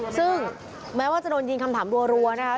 ซึ่งแม้ว่าจะโดนยิงคำถามรัวนะคะ